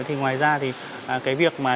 thì ngoài ra thì cái việc mà